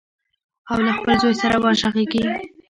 او له خپل زوی سره وغږیږي.